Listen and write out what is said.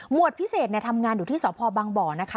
วดพิเศษทำงานอยู่ที่สพบังบ่อนะคะ